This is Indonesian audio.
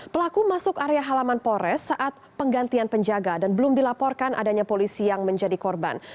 pelaku masuk area halaman polres saat penggantian penjaga dan belum dilaporkan adanya polisi yang menjadi korban